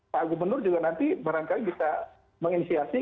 pak gubernur juga nanti barangkali bisa menginisiasi